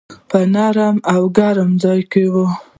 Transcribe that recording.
په نرم او ګرم ځای کي وم .